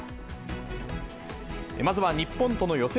まずは日本との予選